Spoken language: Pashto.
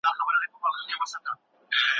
تل د خلګو په منځ کي رښتيا وواياست.